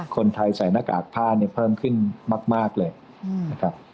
คนไทยใส่หน้ากากผ้าเนี่ยเพิ่มขึ้นมากเลยนะครับ